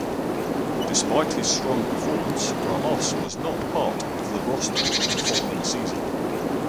Despite his strong performances Ramos was not part of the roster the following season.